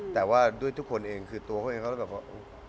แต่ว่าด้วยทุกคนเองคือตัวเขาเองเขาก็แบบว่า